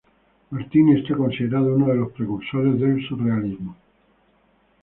Martini es considerado uno de los precursores del surrealismo.